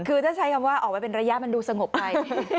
คือถ้าใช้คำว่าออกไปเป็นระยะมันดูสงบไป